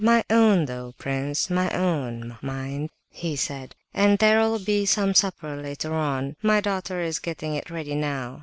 "My own though, prince, my own, mind," he said, "and there'll be some supper later on; my daughter is getting it ready now.